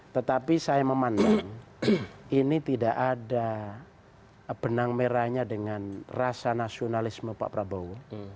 tetapi saya memandang ini tidak ada benang merahnya dengan rasa nasionalisme pak prabowo